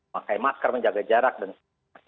pakai masker menjaga jarak dan sebagainya